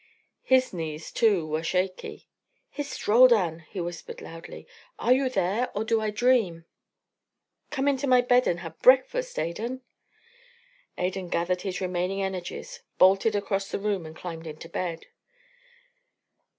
His knees, too, were shaky. "Hist, Roldan," he whispered loudly. "Are you there, or do I dream?" "Come into my bed and have breakfast breakfast, Adan!" Adan gathered his remaining energies, bolted across the room, and climbed into bed.